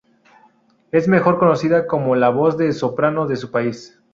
Es mejor conocida como la voz de soprano de su país.